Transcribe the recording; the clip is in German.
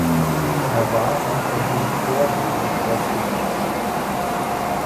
Er war unter dem Chorbogen aufgebaut.